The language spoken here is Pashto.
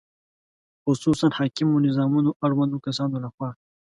خصوصاً حاکمو نظامونو اړوندو کسانو له خوا